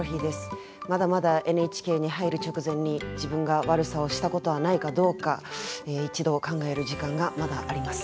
まだまだＮＨＫに入る直前に自分が悪さをしたことはないかどうか一度考える時間がまだあります。